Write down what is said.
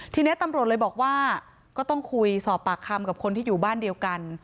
ทีนี้ตำรวจเลยบอกว่าก็ต้องคุยสอบปากคำกับคนที่อยู่บ้านเดียวกัน